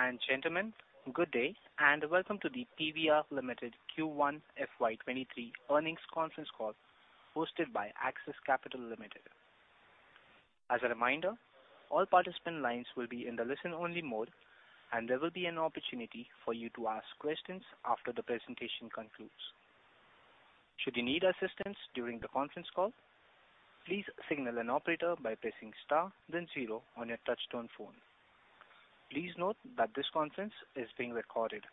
Ladies and gentlemen, good day, and welcome to the PVR Limited Q1 FY23 Earnings Conference Call hosted by Axis Capital Limited. As a reminder, all participant lines will be in the listen only mode, and there will be an opportunity for you to ask questions after the presentation concludes. Should you need assistance during the conference call, please signal an operator by pressing star then zero on your touchtone phone. Please note that this conference is being recorded.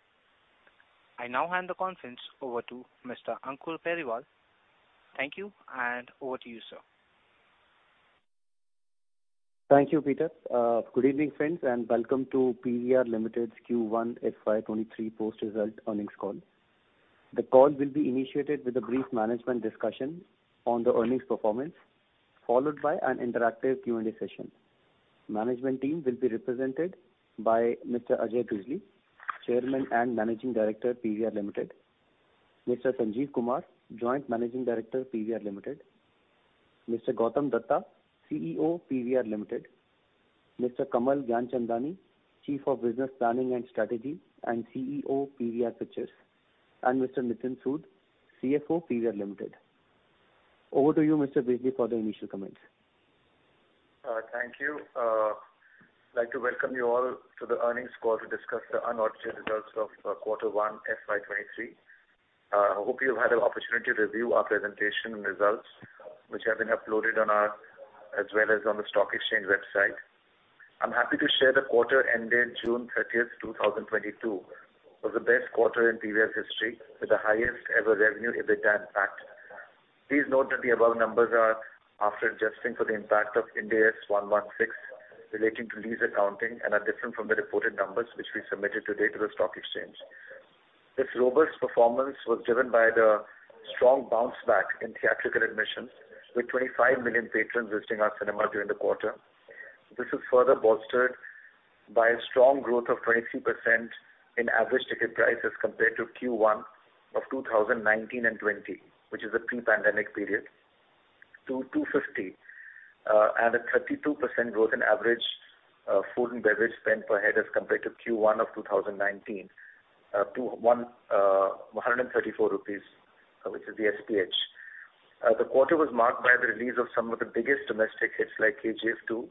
I now hand the conference over to Mr. Ankur Periwal. Thank you, and over to you, sir. Thank you, Peter. Good evening, friends, and welcome to PVR Limited's Q1 FY 2023 post-result earnings call. The call will be initiated with a brief management discussion on the earnings performance, followed by an interactive Q&A session. Management team will be represented by Mr. Ajay Bijli, Chairman and Managing Director, PVR Limited, Mr. Sanjeev Kumar Bijli, Joint Managing Director, PVR Limited, Mr. Gautam Dutta, CEO, PVR Limited, Mr. Kamal Gianchandani, Chief of Business Planning and Strategy and CEO, PVR Pictures, and Mr. Nitin Sood, CFO, PVR Limited. Over to you, Mr. Bijli, for the initial comments. Thank you. I'd like to welcome you all to the earnings call to discuss the unaudited results of quarter 1 FY23. I hope you've had an opportunity to review our presentation and results, which have been uploaded on ours as well as on the stock exchange website. I'm happy to share the quarter ended June 30, 2022, was the best quarter in PVR's history with the highest ever revenue, EBITDA, in fact. Please note that the above numbers are after adjusting for the impact of Ind AS 116 relating to lease accounting and are different from the reported numbers which we submitted today to the stock exchange. This robust performance was driven by the strong bounce back in theatrical admissions, with 25 million patrons visiting our cinema during the quarter. This is further bolstered by a strong growth of 23% in average ticket prices compared to Q1 of 2019 and 2020, which is a pre-pandemic period to 250, and a 32% growth in average food and beverage spend per head as compared to Q1 of 2019 to 134 rupees, which is the SPH. The quarter was marked by the release of some of the biggest domestic hits like KGF 2,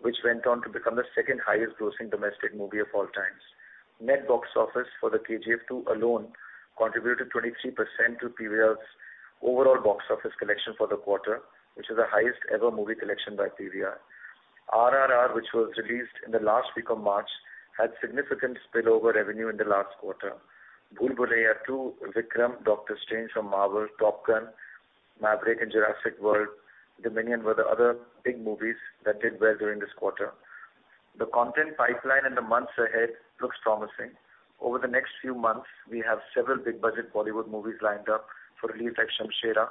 which went on to become the second highest grossing domestic movie of all times. Net box office for the KGF 2 alone contributed 23% to PVR's overall box office collection for the quarter, which is the highest ever movie collection by PVR. RRR, which was released in the last week of March, had significant spillover revenue in the last quarter. Bhool Bhulaiyaa 2, Vikram, Doctor Strange from Marvel, Top Gun: Maverick and Jurassic World Dominion were the other big movies that did well during this quarter. The content pipeline in the months ahead looks promising. Over the next few months, we have several big budget Bollywood movies lined up for release like Shamshera,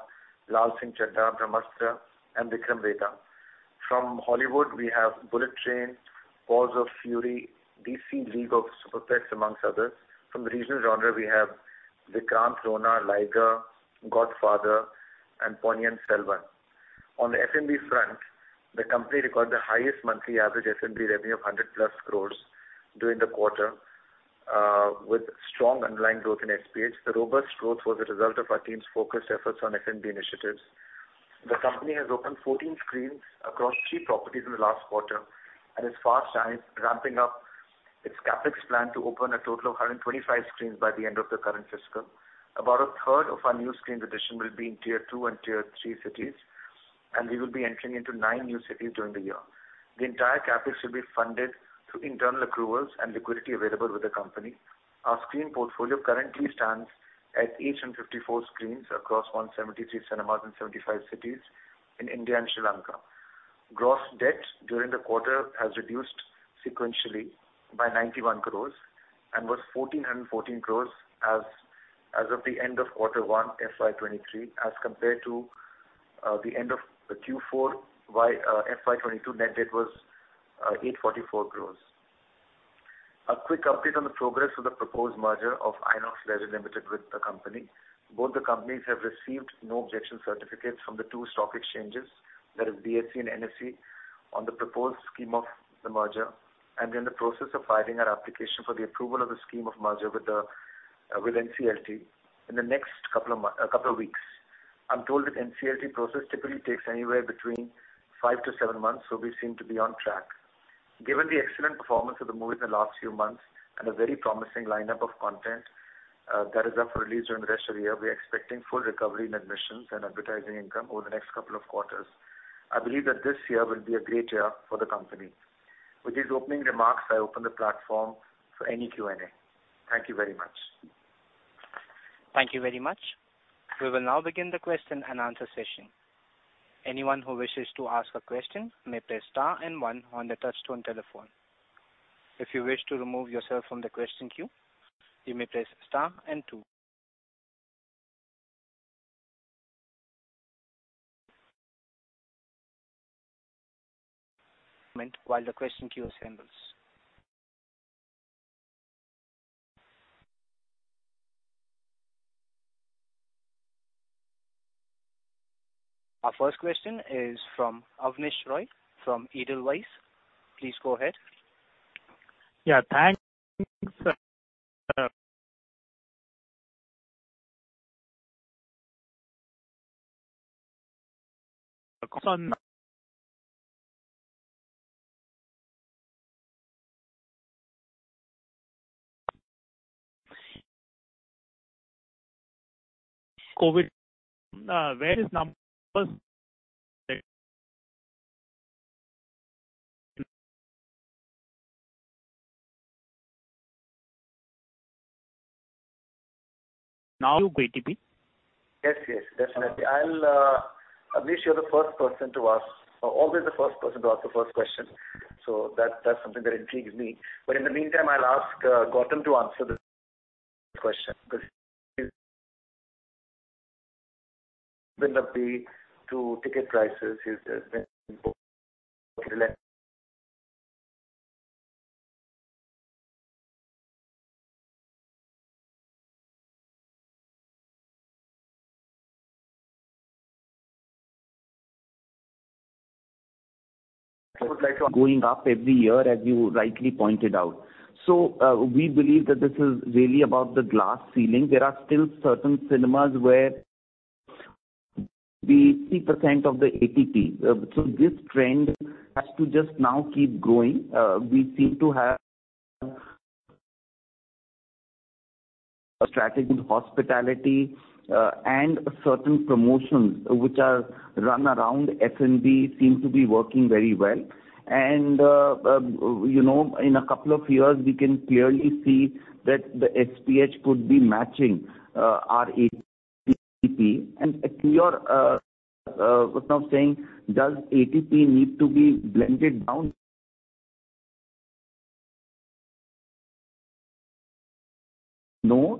Laal Singh Chaddha, Brahmāstra and Vikram Vedha. From Hollywood, we have Bullet Train, Force of Fury, DC League of Super-Pets, amongst others. From the regional genre, we have Vikrant Rona, Liger, Godfather and Ponniyin Selvan. On the F&B front, the company recorded the highest monthly average F&B revenue of 100+ crores during the quarter, with strong underlying growth in SPH. The robust growth was a result of our team's focused efforts on F&B initiatives. The company has opened 14 screens across three properties in the last quarter and is fast ramping up its CapEx plan to open a total of 125 screens by the end of the current fiscal. About a third of our new screens addition will be in tier two and tier three cities, and we will be entering into 9 new cities during the year. The entire CapEx will be funded through internal accruals and liquidity available with the company. Our screen portfolio currently stands at 854 screens across 173 cinemas in 75 cities in India and Sri Lanka. Gross debt during the quarter has reduced sequentially by 91 crore and was 1,414 crore as of the end of Q1 FY 2023 as compared to the end of Q4 FY 2022. Net debt was 844 crore. A quick update on the progress of the proposed merger of INOX Leisure Limited with the company. Both the companies have received no objection certificates from the two stock exchanges, that is BSE and NSE, on the proposed scheme of the merger and are in the process of filing an application for the approval of the scheme of merger with NCLT in the next couple of weeks. I'm told that NCLT process typically takes anywhere between 5-7 months, so we seem to be on track. Given the excellent performance of the movie in the last few months and a very promising lineup of content that is up for release during the rest of the year, we are expecting full recovery in admissions and advertising income over the next couple of quarters. I believe that this year will be a great year for the company. With these opening remarks, I open the platform for any Q&A. Thank you very much. Thank you very much. We will now begin the question and answer session. Anyone who wishes to ask a question may press star and one on their touchtone telephone. If you wish to remove yourself from the question queue, you may press star and two. One moment while the question queue assembles. Our first question is from Abneesh Roy from Edelweiss. Please go ahead. Yeah. Thanks, sir. COVID, where is now ATP. Yes, yes, definitely. I'll Abneesh, you're the first person to ask or always the first person to ask the first question, so that's something that intrigues me. In the meantime, I'll ask Gautam to answer this question 'cause ticket prices has been going up every year, as you rightly pointed out. We believe that this is really about the glass ceiling. There are still certain cinemas where 80% of the ATP. This trend has to just now keep growing. We seem to have strategy hospitality and certain promotions which are run around F&B seem to be working very well. You know, in a couple of years, we can clearly see that the SPH could be matching our ATP. Actually you're Pranav saying, does ATP need to be blended down? No.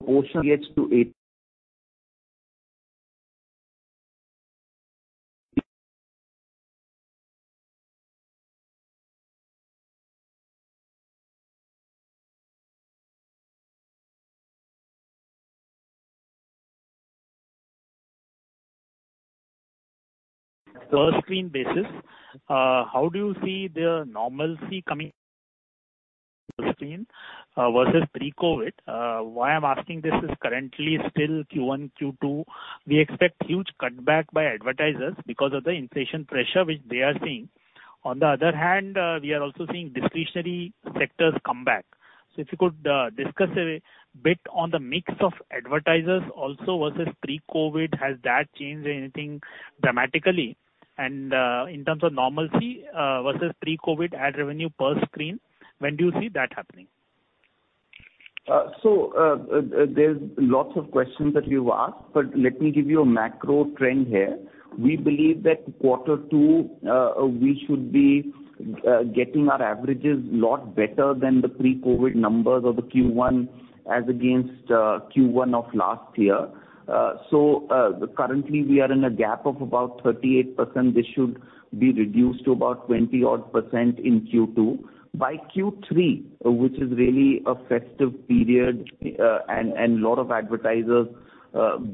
proportion gets to it. Per screen basis, how do you see the normalcy coming per screen versus pre-COVID? Why I'm asking this is currently still Q1, Q2, we expect huge cutback by advertisers because of the inflation pressure which they are seeing. On the other hand, we are also seeing discretionary sectors come back. If you could discuss a bit on the mix of advertisers also versus pre-COVID, has that changed anything dramatically? In terms of normalcy versus pre-COVID ad revenue per screen, when do you see that happening? There's lots of questions that you've asked, but let me give you a macro trend here. We believe that quarter two, we should be getting our averages lot better than the pre-COVID numbers or the Q1 as against Q1 of last year. Currently we are in a gap of about 38%. This should be reduced to about 20-odd% in Q2. By Q3, which is really a festive period, and lot of advertisers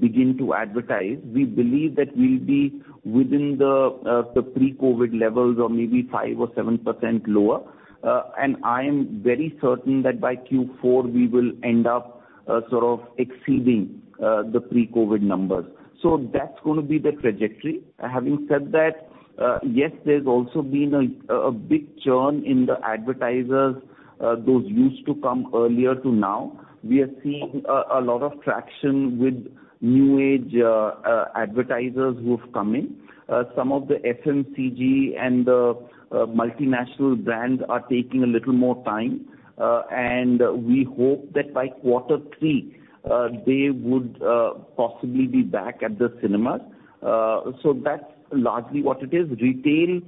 begin to advertise, we believe that we'll be within the pre-COVID levels or maybe 5 or 7% lower. I am very certain that by Q4 we will end up sort of exceeding the pre-COVID numbers. That's gonna be the trajectory. Having said that, yes, there's also been a big churn in the advertisers, those used to come earlier to now. We are seeing a lot of traction with new age advertisers who've come in. Some of the FMCG and the multinational brands are taking a little more time, and we hope that by quarter three, they would possibly be back at the cinemas. That's largely what it is. Retail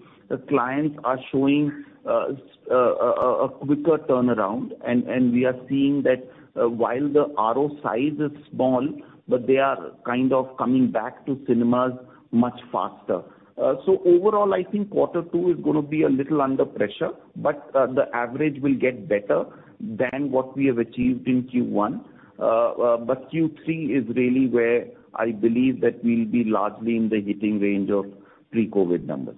clients are showing a quicker turnaround, and we are seeing that while the RO size is small, but they are kind of coming back to cinemas much faster. Overall, I think quarter two is gonna be a little under pressure, but the average will get better than what we have achieved in Q1. Q3 is really where I believe that we'll be largely in the hitting range of pre-COVID numbers.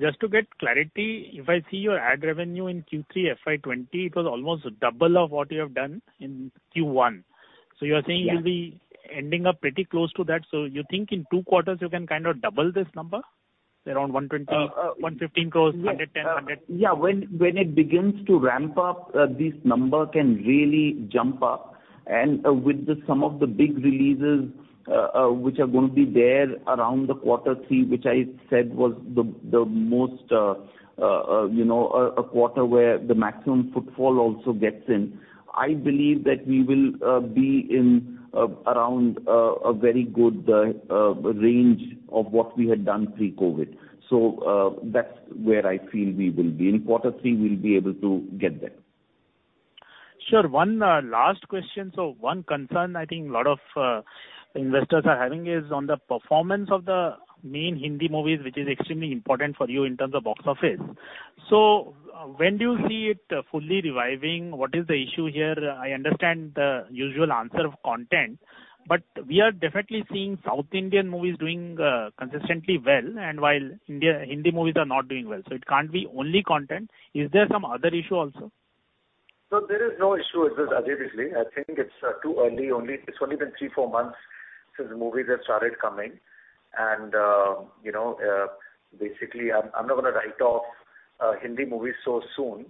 Just to get clarity, if I see your ad revenue in Q3 FY 2020, it was almost double of what you have done in Q1. You're saying. Yeah. You'll be ending up pretty close to that. You think in two quarters you can kind of double this number to around 120- Uh, uh- 115 crores, 110 Yeah. When it begins to ramp up, this number can really jump up. With some of the big releases, which are gonna be there around quarter three, which I said was the most, you know, a quarter where the maximum footfall also gets in. I believe that we will be in around a very good range of what we had done pre-COVID. That's where I feel we will be. In quarter three we'll be able to get there. Sure. One last question. One concern I think a lot of investors are having is on the performance of the main Hindi movies, which is extremely important for you in terms of box office. When do you see it fully reviving? What is the issue here? I understand the usual answer of content, but we are definitely seeing South Indian movies doing consistently well and while Indian Hindi movies are not doing well, so it can't be only content. Is there some other issue also? There is no issue as such, Ajit, actually. I think it's too early. It's only been three, four months since movies have started coming and, you know, basically I'm not gonna write off Hindi movies so soon.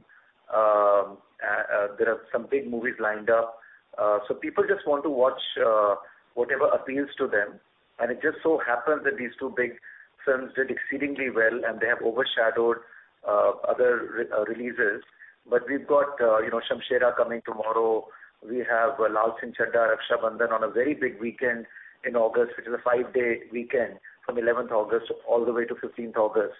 There are some big movies lined up. People just want to watch whatever appeals to them. It just so happens that these two big films did exceedingly well and they have overshadowed other releases. We've got, you know, Shamshera coming tomorrow. We have Laal Singh Chaddha, Raksha Bandhan on a very big weekend in August, which is a five-day weekend from eleventh August all the way to fifteenth August.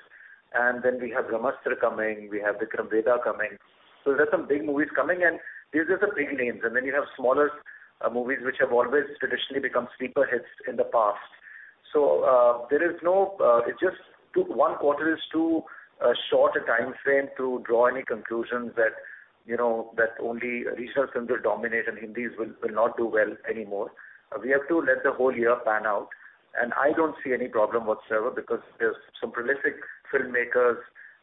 Then we have Ram Setu coming, we have Vikram Vedha coming. There are some big movies coming and these are the big names. You have smaller movies which have always traditionally become sleeper hits in the past. It just took one quarter is too short a timeframe to draw any conclusions that, you know, that only regional films will dominate and Hindi will not do well anymore. We have to let the whole year pan out, and I don't see any problem whatsoever because there's some prolific filmmakers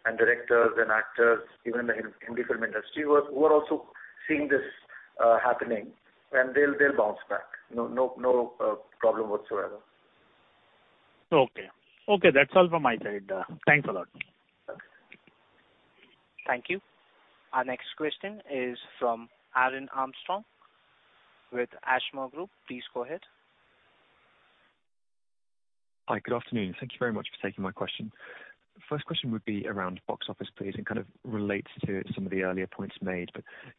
and directors and actors, even in the Hindi film industry who are also seeing this happening and they'll bounce back. No problem whatsoever. Okay, that's all from my side. Thanks a lot. Thank you. Our next question is from Aaron Armstrong with Ashmore Group. Please go ahead. Hi. Good afternoon. Thank you very much for taking my question. First question would be around box office, please, and kind of relates to some of the earlier points made.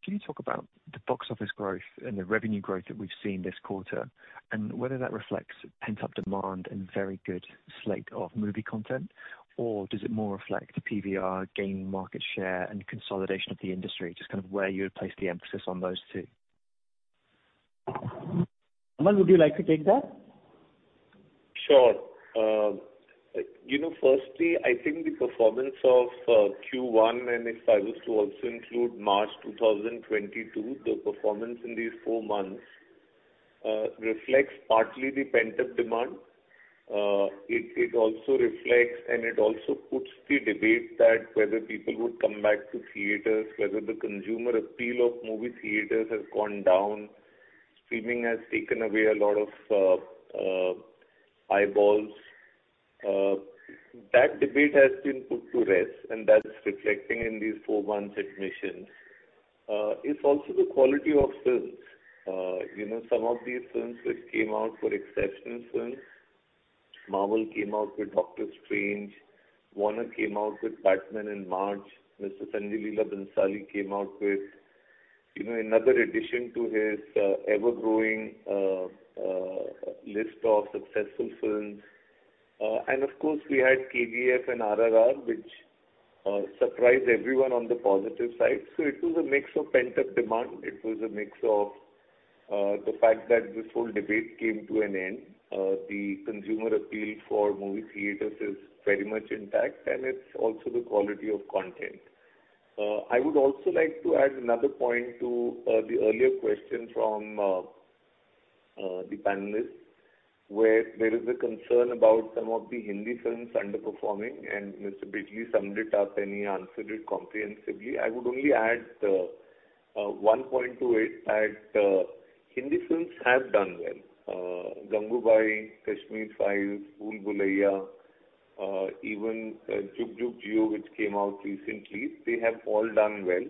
Can you talk about the box office growth and the revenue growth that we've seen this quarter, and whether that reflects pent-up demand and very good slate of movie content? Or does it more reflect PVR gaining market share and consolidation of the industry? Just kind of where you would place the emphasis on those two. Kamal Gianchandani, would you like to take that? Sure. You know, firstly, I think the performance of Q1, and if I was to also include March 2022, the performance in these four months reflects partly the pent-up demand. It also reflects and it also puts the debate that whether people would come back to theaters, whether the consumer appeal of movie theaters has gone down, streaming has taken away a lot of eyeballs. That debate has been put to rest, and that's reflecting in these four months' admissions. It's also the quality of films. You know, some of these films which came out were exceptional films. Marvel came out with Doctor Strange. Warner came out with Batman in March. Mr. Sanjay Leela Bhansali came out with, you know, another addition to his ever-growing list of successful films. Of course, we had KGF and RRR, which surprised everyone on the positive side. It was a mix of pent-up demand. It was a mix of the fact that this whole debate came to an end. The consumer appeal for movie theaters is very much intact, and it's also the quality of content. I would also like to add another point to the earlier question from the panelist, where there is a concern about some of the Hindi films underperforming, and Mr. Bijli summed it up and he answered it comprehensively. I would only add one point to it, that Hindi films have done well. Gangubai, The Kashmir Files, Bhool Bhulaiyaa, even Jugjugg Jeeyo, which came out recently, they have all done well.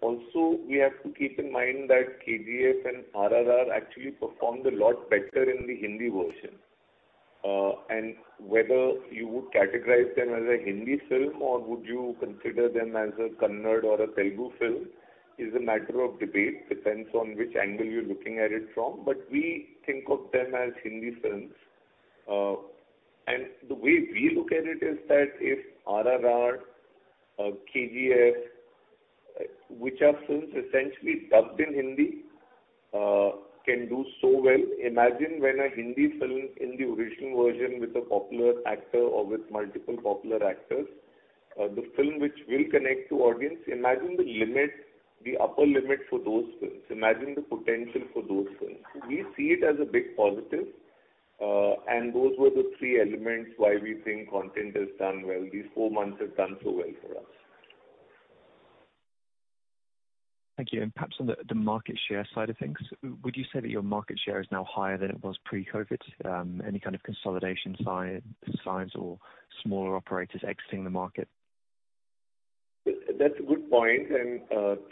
Also, we have to keep in mind that KGF and RRR actually performed a lot better in the Hindi version. Whether you would categorize them as a Hindi film or would you consider them as a Kannada or a Telugu film is a matter of debate, depends on which angle you're looking at it from. We think of them as Hindi films. The way we look at it is that if RRR, KGF, which are films essentially dubbed in Hindi, can do so well, imagine when a Hindi film in the original version with a popular actor or with multiple popular actors, the film which will connect to audience, imagine the limit, the upper limit for those films. Imagine the potential for those films. We see it as a big positive, and those were the three elements why we think content has done well, these four months have done so well for us. Thank you. Perhaps on the market share side of things, would you say that your market share is now higher than it was pre-COVID? Any kind of consolidation signs or smaller operators exiting the market? That's a good point and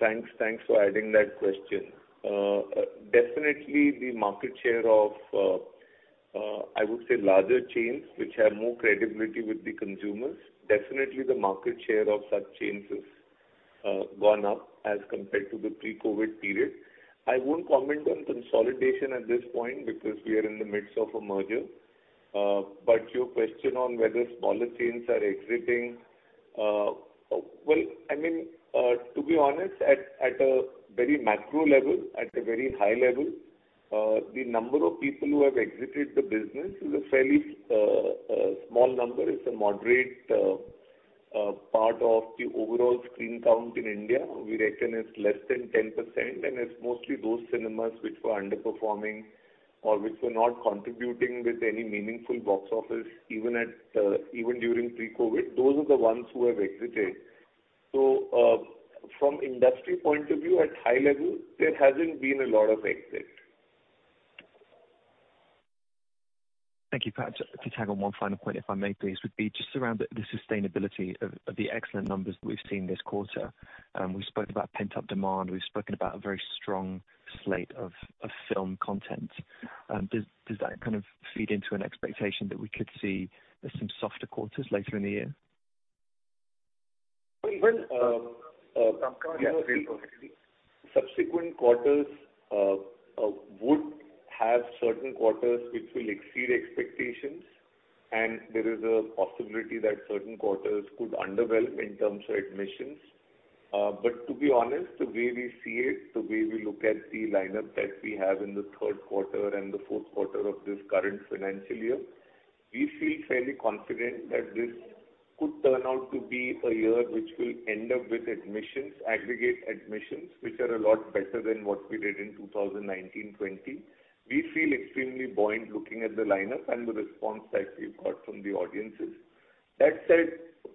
thanks for adding that question. Definitely the market share of I would say larger chains which have more credibility with the consumers, definitely the market share of such chains has gone up as compared to the pre-COVID period. I won't comment on consolidation at this point because we are in the midst of a merger. But your question on whether smaller chains are exiting, well, I mean, to be honest, at a very macro level, at a very high level, the number of people who have exited the business is a fairly small number. It's a moderate part of the overall screen count in India. We reckon it's less than 10%, and it's mostly those cinemas which were underperforming or which were not contributing with any meaningful box office, even at, even during pre-COVID. Those are the ones who have exited. From industry point of view, at high level, there hasn't been a lot of exit. Thank you. Pat, to tag on one final point, if I may please, would be just around the sustainability of the excellent numbers that we've seen this quarter. We've spoken about pent-up demand. We've spoken about a very strong slate of film content. Does that kind of feed into an expectation that we could see there's some softer quarters later in the year? Well, you know, the subsequent quarters would have certain quarters which will exceed expectations, and there is a possibility that certain quarters could underwhelm in terms of admissions. To be honest, the way we see it, the way we look at the lineup that we have in the third quarter and the fourth quarter of this current financial year, we feel fairly confident that this could turn out to be a year which will end up with admissions, aggregate admissions, which are a lot better than what we did in 2019/20. We feel extremely buoyant looking at the lineup and the response that we've got from the audiences. That said,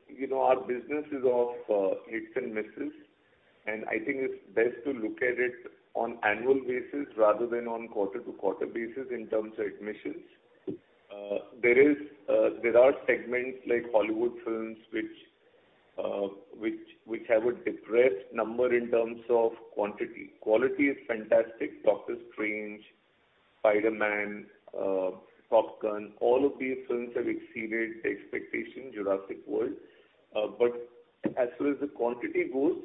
you know, our business is of hits and misses, and I think it's best to look at it on annual basis rather than on quarter-to-quarter basis in terms of admissions. There are segments like Hollywood films which have a depressed number in terms of quantity. Quality is fantastic. Doctor Strange, Spider-Man, Top Gun, all of these films have exceeded the expectation, Jurassic World. As far as the quantity goes,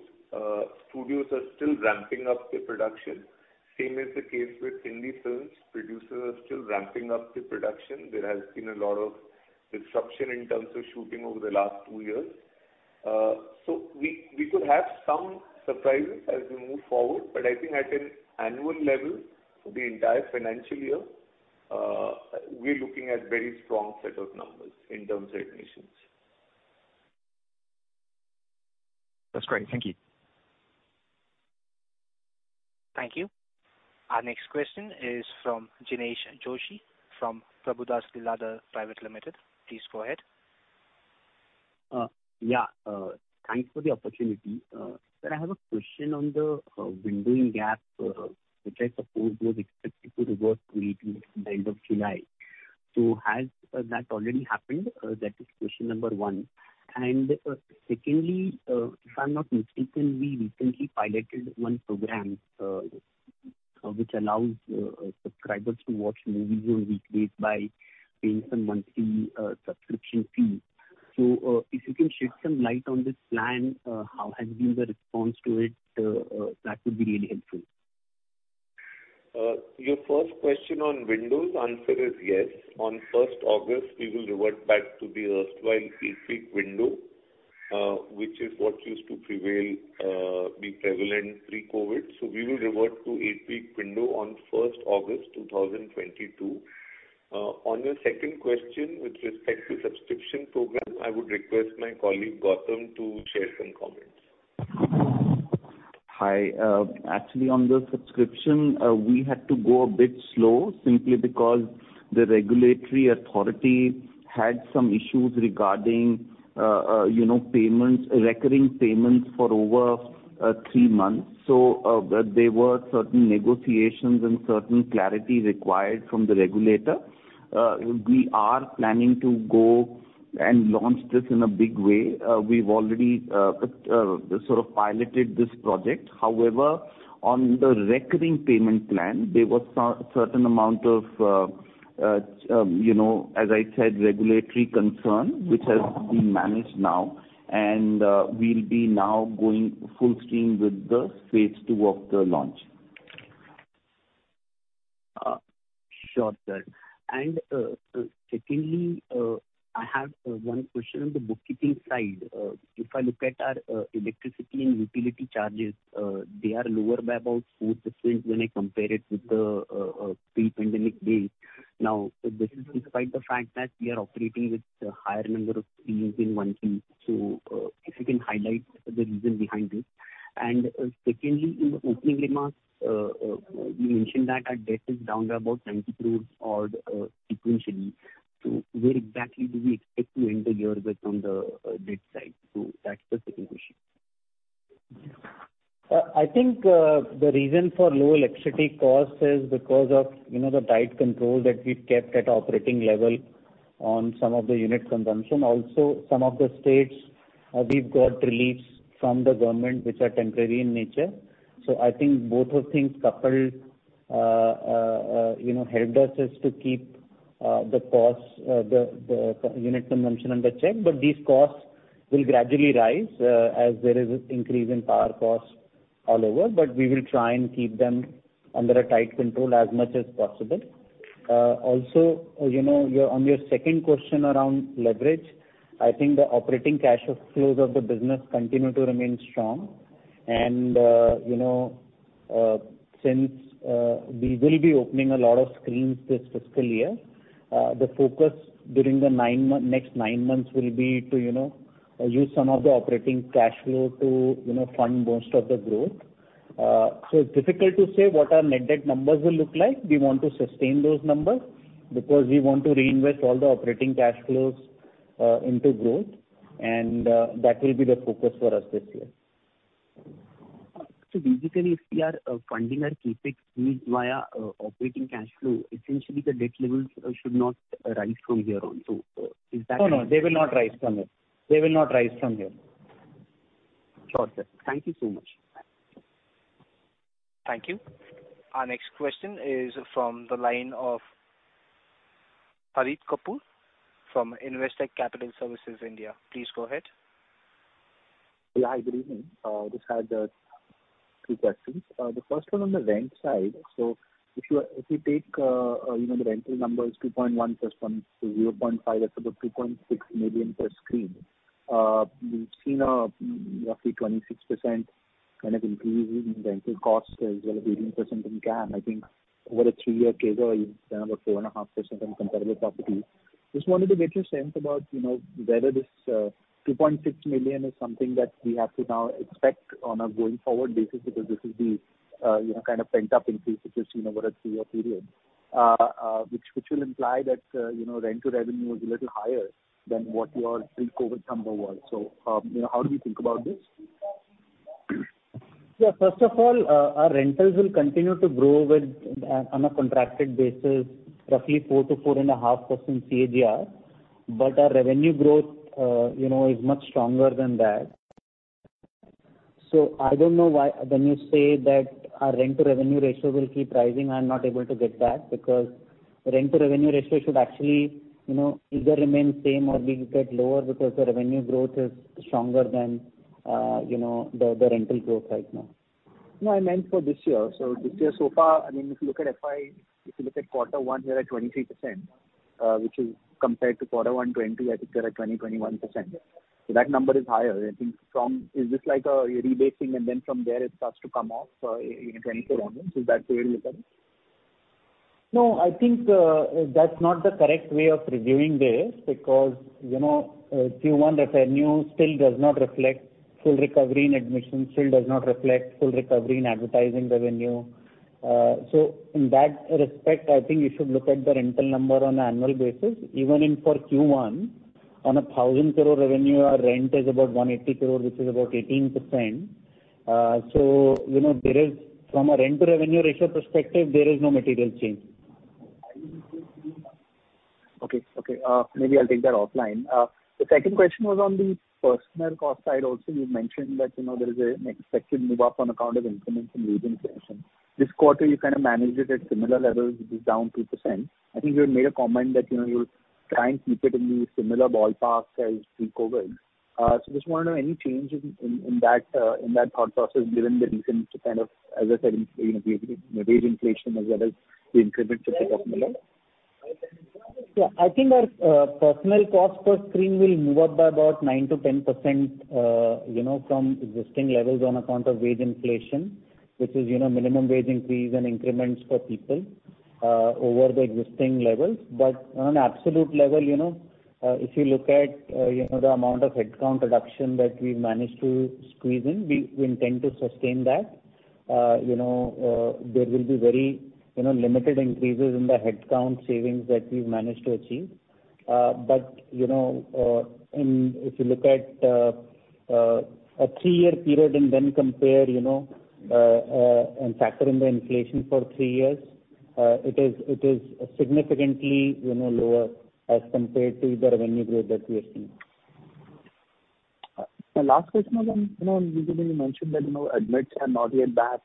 studios are still ramping up their production. Same is the case with Hindi films. Producers are still ramping up their production. There has been a lot of disruption in terms of shooting over the last two years. We could have some surprises as we move forward, but I think at an annual level, for the entire financial year, we're looking at very strong set of numbers in terms of admissions. That's great. Thank you. Thank you. Our next question is from Jinesh Joshi from Prabhudas Lilladher Private Limited. Please go ahead. Yeah. Thanks for the opportunity. Sir, I have a question on the windowing gap, which I suppose was expected to revert to 8 weeks by the end of July. Has that already happened? That is question number one. Secondly, if I'm not mistaken, we recently piloted one program, which allows subscribers to watch movies on weekdays by paying some monthly subscription fee. If you can shed some light on this plan, how has been the response to it, that would be really helpful. Your first question on windows, answer is yes. On first August, we will revert back to the erstwhile 8-week window, which is what used to prevail, be prevalent pre-COVID. We will revert to 8-week window on first August 2022. On your second question, with respect to subscription program, I would request my colleague, Gautam, to share some comments. Hi. Actually on the subscription, we had to go a bit slow simply because the regulatory authority had some issues regarding, you know, payments, recurring payments for over three months. There were certain negotiations and certain clarity required from the regulator. We are planning to go and launch this in a big way. We've already sort of piloted this project. However, on the recurring payment plan, there was certain amount of, you know, as I said, regulatory concern, which has been managed now. We'll be now going full steam with the phase two of the launch. Sure, sir. Secondly, I have one question on the bookkeeping side. If I look at our electricity and utility charges, they are lower by about 4% when I compare it with the pre-pandemic days. Now, this is despite the fact that we are operating with a higher number of screens in one week. If you can highlight the reason behind this. Secondly, in the opening remarks, you mentioned that our debt is down by about 70 crore sequentially. Where exactly do we expect to end the year with on the debt side? That's the second question. I think the reason for low electricity costs is because of, you know, the tight control that we've kept at operating level on some of the unit consumption. Also, some of the states, we've got reliefs from the government which are temporary in nature. I think both of things coupled, you know, helped us is to keep the costs, the unit consumption under check. These costs will gradually rise, as there is increase in power costs all over. We will try and keep them under a tight control as much as possible. Also, you know, on your second question around leverage, I think the operating cash flows of the business continue to remain strong. You know, since we will be opening a lot of screens this fiscal year, the focus during the next nine months will be to, you know, use some of the operating cash flow to, you know, fund most of the growth. It's difficult to say what our net debt numbers will look like. We want to sustain those numbers because we want to reinvest all the operating cash flows into growth and that will be the focus for us this year. Basically, if we are funding our CapEx needs via operating cash flow, essentially the debt levels should not rise from here on. Is that? No, no, they will not rise from here. They will not rise from here. Sure, sir. Thank you so much. Thank you. Our next question is from the line of Harit Kapur from Investec Capital Services India. Please go ahead. Yeah. Good evening. Just had two questions. The first one on the rent side. If you take, you know, the rental numbers, 2.1 plus 1 to 0.5, that's about 2.6 million per screen. We've seen a roughly 26% kind of increase in rental costs as well as 18% in CAM, I think over a 3-year case or even about 4.5% in comparable properties. Just wanted to get your sense about, you know, whether this 2.6 million is something that we have to now expect on a going forward basis because this is the, you know, kind of pent up increase that you've seen over a 3-year period. which will imply that, you know, rent to revenue is a little higher than what your pre-COVID number was. You know, how do you think about this? Yeah, first of all, our rentals will continue to grow with, on a contracted basis, roughly 4%-4.5% CAGR. Our revenue growth, you know, is much stronger than that. I don't know why, when you say that our rent to revenue ratio will keep rising, I'm not able to get that because rent to revenue ratio should actually, you know, either remain same or will get lower because the revenue growth is stronger than, you know, the rental growth right now. No, I meant for this year. This year so far, I mean, if you look at FY, if you look at quarter one, we're at 23%, which is compared to quarter one 2020, I think we're at 21%. That number is higher. I think. Is this like a rebasing and then from there it starts to come off in 2024 onwards? Is that the way to look at it? No, I think that's not the correct way of reviewing this, because, you know, Q1 revenue still does not reflect full recovery in admissions, still does not reflect full recovery in advertising revenue. In that respect, I think you should look at the rental number on an annual basis. Even in Q1, on 1,000 crore revenue, our rent is about 180 crore, which is about 18%. You know, there is from a rent to revenue ratio perspective, there is no material change. Okay. Maybe I'll take that offline. The second question was on the personnel cost side also. You've mentioned that, you know, there is an expected move up on account of increments and wage inflation. This quarter you kind of managed it at similar levels. It is down 2%. I think you had made a comment that, you know, you'll try and keep it in the similar ballpark as pre-COVID. So just want to know any change in that thought process, given the reasons to kind of, as I said, you know, wage inflation as well as the increments at the top level? Yeah, I think our personnel cost per screen will move up by about 9%-10%, you know, from existing levels on account of wage inflation, which is, you know, minimum wage increase and increments for people over the existing levels. On an absolute level, you know, if you look at, you know, the amount of headcount reduction that we've managed to squeeze in, we intend to sustain that. You know, there will be very, you know, limited increases in the headcount savings that we've managed to achieve. You know, if you look at a three-year period and then compare, you know, and factor in the inflation for three years, it is significantly, you know, lower as compared to the revenue growth that we are seeing. My last question was on, you know, you mentioned that, you know, admits are not yet back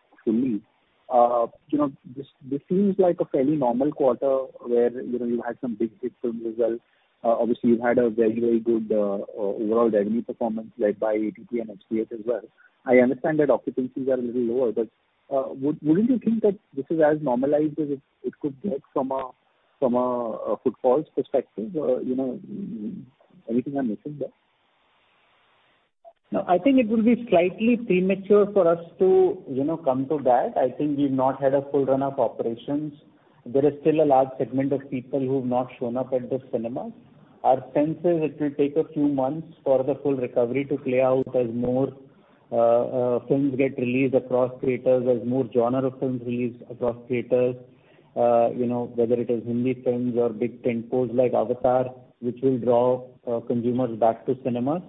fully. You know, this seems like a fairly normal quarter where, you know, you had some big films as well. Obviously you've had a very good overall revenue performance led by ATD and FGS as well. I understand that occupancies are a little lower. Wouldn't you think that this is as normalized as it could get from a footfalls perspective? You know, anything I'm missing there? No, I think it will be slightly premature for us to, you know, come to that. I think we've not had a full run of operations. There is still a large segment of people who've not shown up at the cinemas. Our sense is it will take a few months for the full recovery to play out as more films get released across theaters, as more genre of films release across theaters, you know, whether it is Hindi films or big tentpoles like Avatar, which will draw consumers back to cinemas.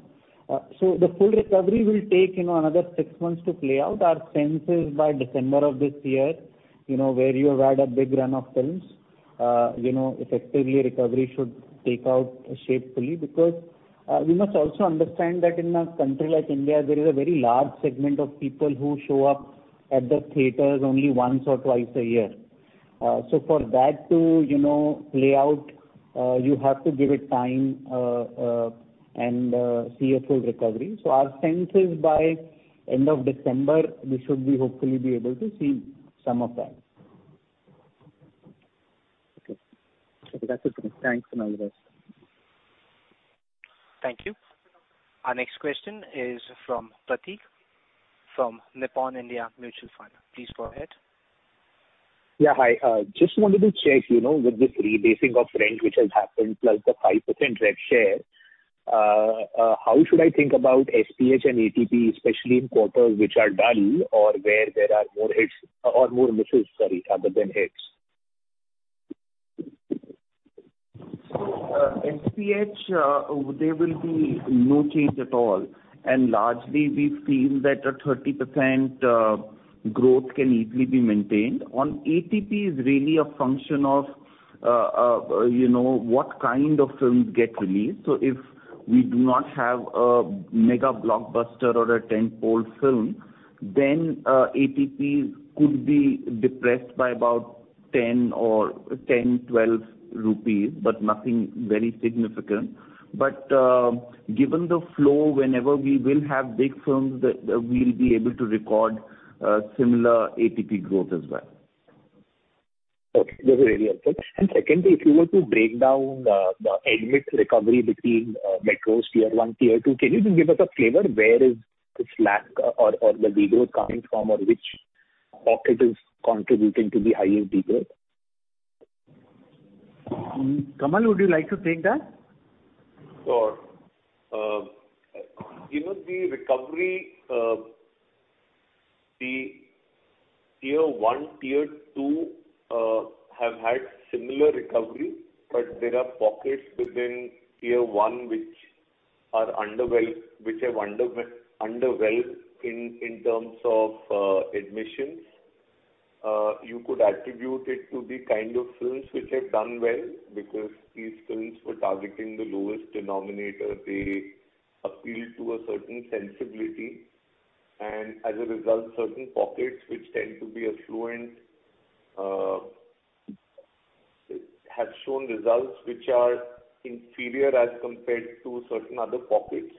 The full recovery will take, you know, another 6 months to play out. Our sense is by December of this year, you know, where you have had a big run of films, you know, effectively recovery should take shape fully. Because, we must also understand that in a country like India, there is a very large segment of people who show up at the theaters only once or twice a year. For that to, you know, play out. You have to give it time and see a full recovery. Our sense is by end of December, we should hopefully be able to see some of that. Okay. That's okay. Thanks and all the best. Thank you. Our next question is from Pratik from Nippon India Mutual Fund. Please go ahead. Yeah. Hi. Just wanted to check, you know, with this rebasing of rent which has happened plus the 5% revshare, how should I think about SPH and ATP, especially in quarters which are dull or where there are more hits or more misses, sorry, other than hits? SPH, there will be no change at all. Largely we feel that a 30% growth can easily be maintained. On ATP is really a function of, you know, what kind of films get released. If we do not have a mega blockbuster or a tentpole film, then ATP could be depressed by about 10 or 12 rupees, but nothing very significant. Given the flow, whenever we will have big films, we'll be able to record similar ATP growth as well. Okay. That's really helpful. Secondly, if you were to break down the admission recovery between metros, Tier 1, Tier 2, can you just give us a flavor where the slack or the rigor is coming from or which pocket is contributing to the higher GDP growth? Kamal, would you like to take that? Sure. Even the recovery, the Tier 1, Tier 2, have had similar recovery, but there are pockets within tier one which have underperformed in terms of admissions. You could attribute it to the kind of films which have done well because these films were targeting the lowest common denominator. They appeal to a certain sensibility, and as a result, certain pockets which tend to be affluent, have shown results which are inferior as compared to certain other pockets.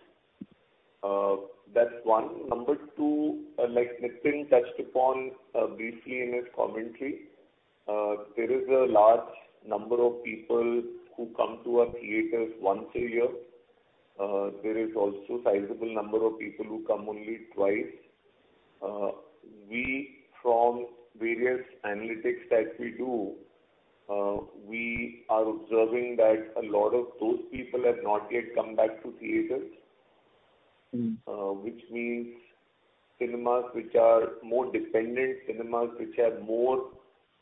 That's one. Number two, like Nitin touched upon, briefly in his commentary, there is a large number of people who come to our theaters once a year. There is also sizable number of people who come only twice. We from various analytics that we do, we are observing that a lot of those people have not yet come back to theaters. Mm. Which means cinemas which are more dependent, cinemas which have more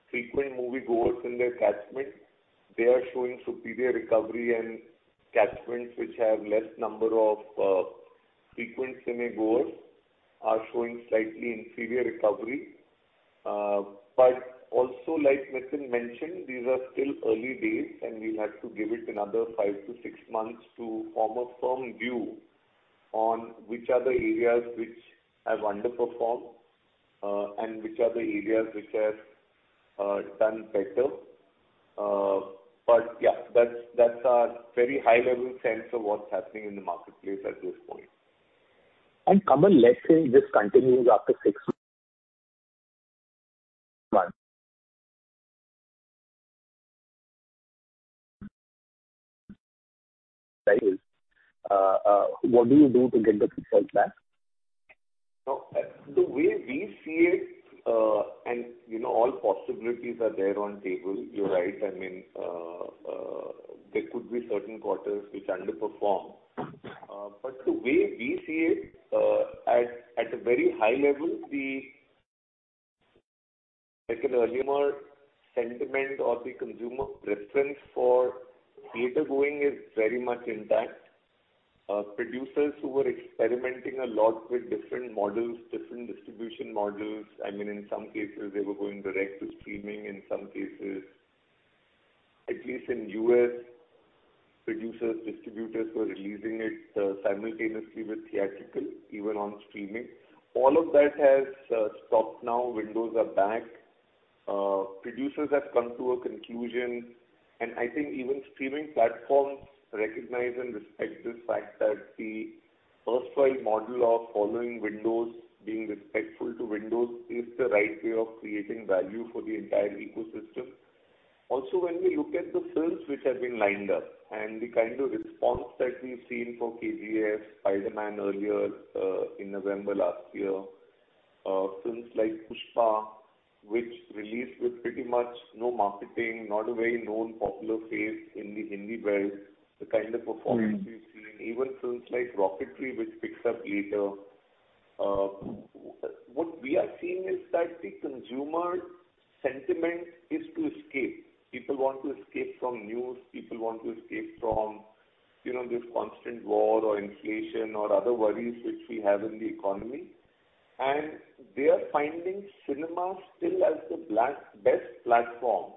frequent moviegoers in their catchment, they are showing superior recovery and catchments which have less number of frequent cinegoers are showing slightly inferior recovery. Also, like Nitin mentioned, these are still early days, and we'll have to give it another 5-6 months to form a firm view on which are the areas which have underperformed and which are the areas which have done better. Yeah, that's a very high level sense of what's happening in the marketplace at this point. Kamal, let's say this continues after six months. What do you do to get the people back? No. The way we see it, you know, all possibilities are there on the table. You're right. I mean, there could be certain quarters which underperform. But the way we see it, at a very high level, the earlier sentiment or the consumer preference for theater going is very much intact. Producers who were experimenting a lot with different models, different distribution models, I mean, in some cases they were going direct to streaming, in some cases, at least in the U.S., producers, distributors were releasing it simultaneously with theatrical, even on streaming. All of that has stopped now. Windows are back. Producers have come to a conclusion, and I think even streaming platforms recognize and respect the fact that the first-run model of following windows being respectful to windows is the right way of creating value for the entire ecosystem. Also, when we look at the films which have been lined up and the kind of response that we've seen for KGF, Spider-Man earlier, in November last year, films like Pushpa, which released with pretty much no marketing, not a very known popular face in the Hindi belt, the kind of performance we've seen. Even films like Rocketry, which picks up later. What we are seeing is that the consumer sentiment is to escape. People want to escape from news. People want to escape from, you know, this constant war or inflation or other worries which we have in the economy. They are finding cinema still as the best platform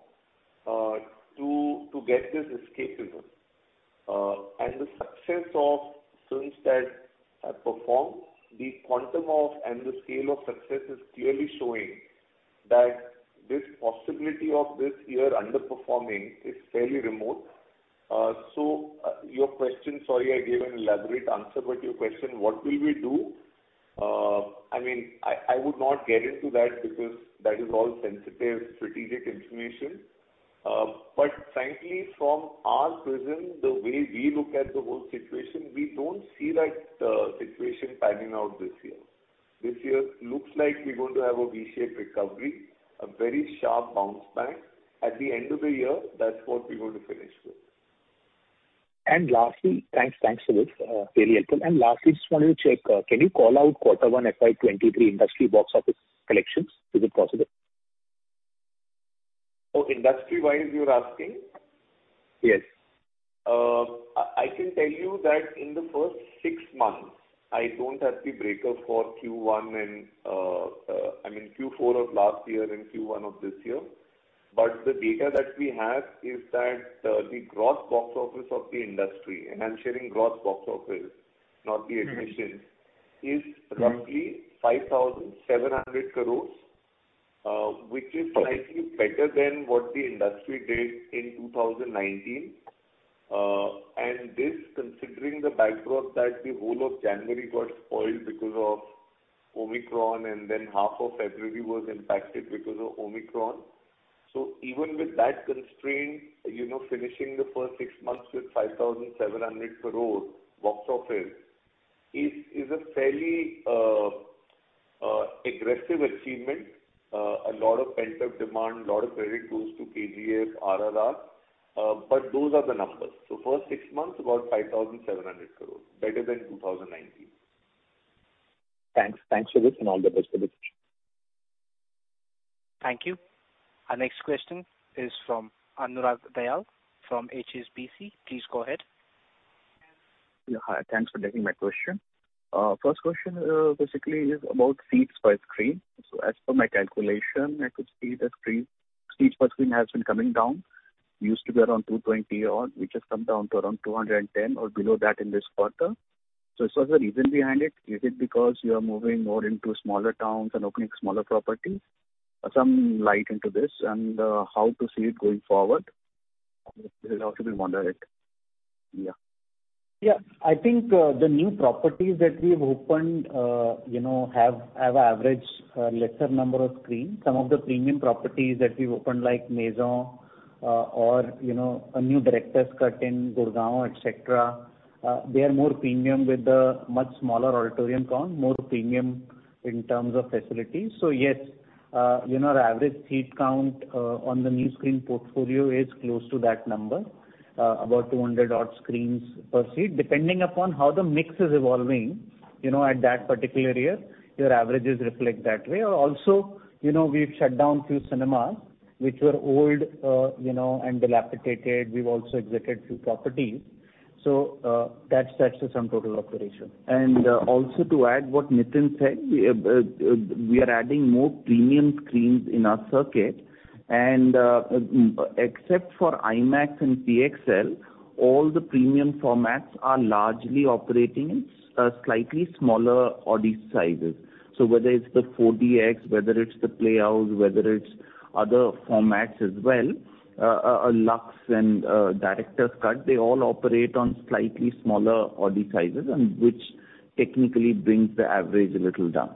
to get this escape mode. The success of films that have performed, the quantum of, and the scale of success is clearly showing that this possibility of this year underperforming is fairly remote. Your question, sorry, I gave an elaborate answer, but your question, what will we do? I mean, I would not get into that because that is all sensitive strategic information. Frankly, from our prism, the way we look at the whole situation, we don't see that situation panning out this year. This year looks like we're going to have a V-shaped recovery, a very sharp bounce back. At the end of the year, that's what we're going to finish with. Thanks for this. Very helpful. Just wanted to check, can you call out quarter one FY 2023 industry box office collections? Is it possible? Oh, industry-wise you're asking? Yes. I can tell you that in the first six months, I don't have the breakup for Q1 and, I mean, Q4 of last year and Q1 of this year. The data that we have is that, the gross box office of the industry, and I'm sharing gross box office, not the admissions- Mm-hmm. It is roughly 5,700 crores, which is slightly better than what the industry did in 2019. This considering the backdrop that the whole of January got spoiled because of Omicron, and then half of February was impacted because of Omicron. Even with that constraint, you know, finishing the first six months with 5,700 crore box office is a fairly aggressive achievement. A lot of pent-up demand, a lot of credit goes to KGF, RRR, but those are the numbers. First six months, about 5,700 crores, better than 2019. Thanks. Thanks for this, and all the best for this. Thank you. Our next question is from Anurag Dayal from HSBC. Please go ahead. Yeah, hi. Thanks for taking my question. First question, basically is about seats per screen. So as per my calculation, I could see the seats per screen has been coming down. Used to be around 220 odd, which has come down to around 210 or below that in this quarter. So what's the reason behind it? Is it because you are moving more into smaller towns and opening smaller properties? Shed some light on this and how do you see it going forward? There's also been moderation. Yeah. I think the new properties that we've opened you know have average lesser number of screens. Some of the premium properties that we've opened, like Maison or you know a new Director's Cut in Gurgaon, et cetera, they are more premium with a much smaller auditorium count, more premium in terms of facilities. So yes you know the average seat count on the new screen portfolio is close to that number about 200 odd screens per seat. Depending upon how the mix is evolving you know at that particular year your averages reflect that way. Also you know we've shut down a few cinemas which were old you know and dilapidated. We've also exited a few properties. So that's the sum total operation. Also to add what Nitin said, we are adding more premium screens in our circuit. Except for IMAX and PXL, all the premium formats are largely operating in slightly smaller auditorium sizes. Whether it's the 4DX, whether it's the Playhouse, whether it's other formats as well, Lux and Director's Cut, they all operate on slightly smaller auditorium sizes, which technically brings the average a little down.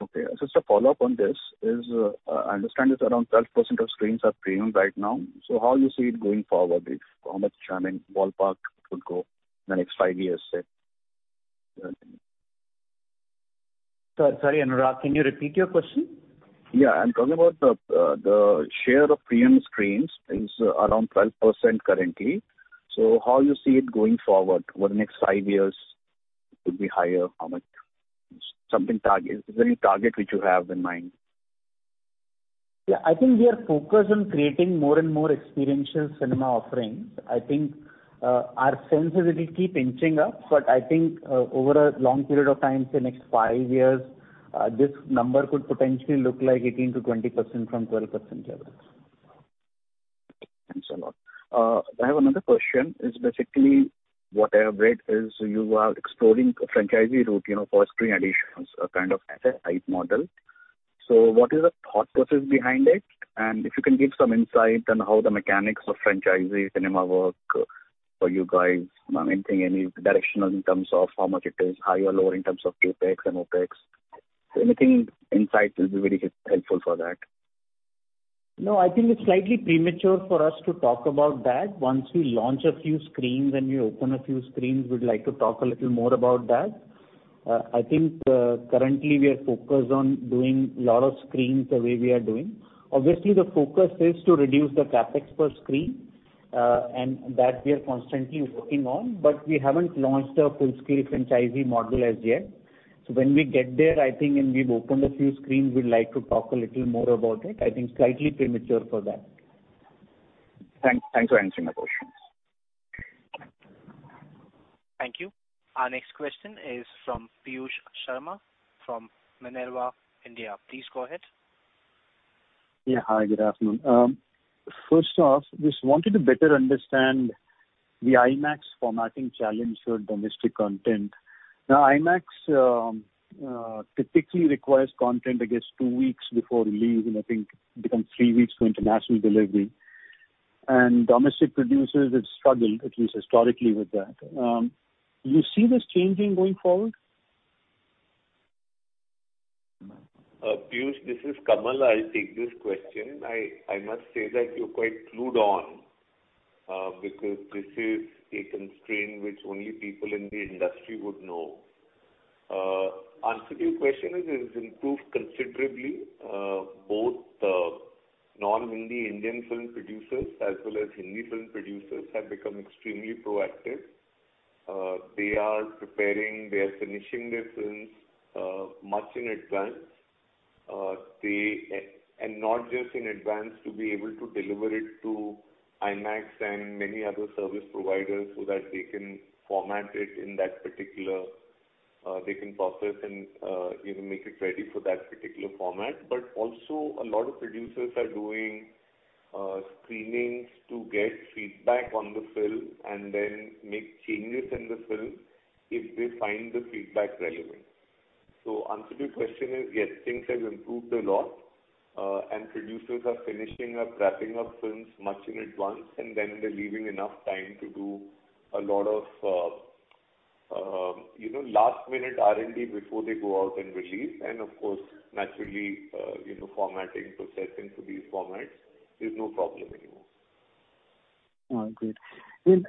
Okay. Just a follow-up on this is, I understand it's around 12% of screens are premium right now. How you see it going forward? How much, in a ballpark, it could go in the next five years, say? Sorry, Anurag, can you repeat your question? I'm talking about the share of premium screens is around 12% currently. How you see it going forward over the next five years to be higher? How much? Something target. Is there any target which you have in mind? Yeah. I think we are focused on creating more and more experiential cinema offerings. I think, our sense is it'll keep inching up, but I think, over a long period of time, say next five years, this number could potentially look like 18%-20% from 12% levels. Thanks a lot. I have another question. It's basically what I have read is you are exploring a franchisee route, you know, for screen additions, a kind of asset-light model. What is the thought process behind it? If you can give some insight on how the mechanics of franchisee cinema work for you guys. Anything, any directional in terms of how much it is, higher or lower in terms of CapEx and OpEx. Anything insight will be really helpful for that. No, I think it's slightly premature for us to talk about that. Once we launch a few screens and we open a few screens, we'd like to talk a little more about that. I think, currently we are focused on doing a lot of screens the way we are doing. Obviously, the focus is to reduce the CapEx per screen, and that we are constantly working on, but we haven't launched a full-scale franchisee model as yet. When we get there, I think when we've opened a few screens, we'd like to talk a little more about it. I think slightly premature for that. Thanks. Thanks for answering the questions. Thank you. Our next question is from Piyush Sharma from Minerva India. Please go ahead. Yeah. Hi, good afternoon. First off, just wanted to better understand the IMAX formatting challenge for domestic content. Now, IMAX typically requires content, I guess, two weeks before release, and I think becomes three weeks for international delivery. Domestic producers have struggled, at least historically, with that. Do you see this changing going forward? Piyush, this is Kamal. I'll take this question. I must say that you're quite clued on because this is a constraint which only people in the industry would know. Answer to your question is, it has improved considerably. Both non-Hindi Indian film producers as well as Hindi film producers have become extremely proactive. They are preparing, they are finishing their films much in advance. Not just in advance to be able to deliver it to IMAX and many other service providers so that they can format it in that particular, they can process and, you know, make it ready for that particular format. Also a lot of producers are doing screenings to get feedback on the film and then make changes in the film if they find the feedback relevant. Answer to your question is, yes, things have improved a lot, and producers are finishing up, wrapping up films much in advance, and then they're leaving enough time to do a lot of, you know, last minute R&D before they go out and release. Of course, naturally, you know, formatting, processing for these formats is no problem anymore. All right, great.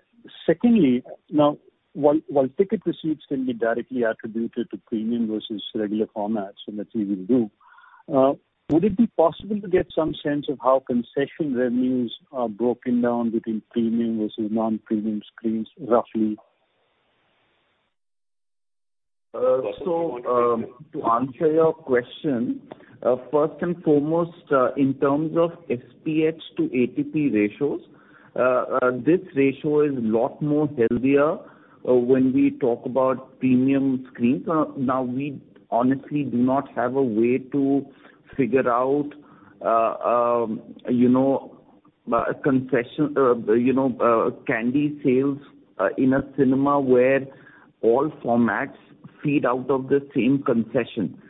Secondly, now while ticket receipts can be directly attributed to premium versus regular formats, and that we will do, would it be possible to get some sense of how concession revenues are broken down between premium versus non-premium screens roughly? To answer your question, first and foremost, in terms of FPH to ATP ratios, this ratio is a lot more healthier when we talk about premium screens. Now we honestly do not have a way to figure out, you know, concession, you know, candy sales, in a cinema where all formats feed out of the same concession.